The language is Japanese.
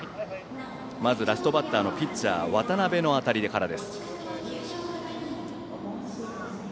まず、ラストバッターピッチャーの渡辺の当たりから。